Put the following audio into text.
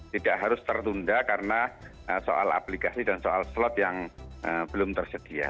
tidak harus tertunda karena soal aplikasi dan soal slot yang belum tersedia